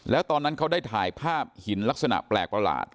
แล้วตอนนั้นเขาได้ถ่ายภาพหินลักษณะแปลกประหลาด